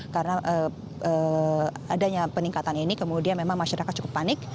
karena adanya peningkatan ini kemudian memang masyarakat cukup panik